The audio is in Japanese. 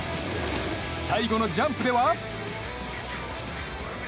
最後のジャンプでは。